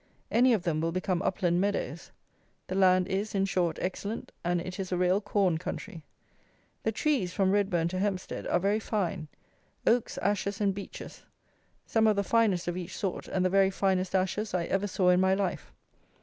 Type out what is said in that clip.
Any of them will become upland meadows. The land is, in short, excellent, and it is a real corn country. The trees, from Redbourn to Hempstead are very fine; oaks, ashes, and beeches. Some of the finest of each sort, and the very finest ashes I ever saw in my life.